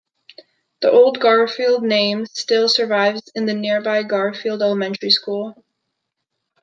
The old "Garfield" name still survives in the nearby Garfield Elementary School.